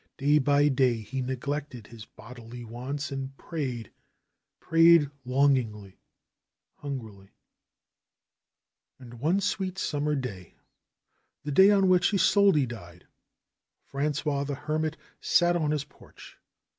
Day by day he neglected his bodily wants and prayed, prayed longingly, hungrily. THE HERMIT OF SAGUENAY 51 And one sweet summer day, the day on which Isolde died, Frangois the Hermit sat on his porch.